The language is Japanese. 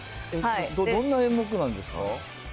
どんな演目なんですか？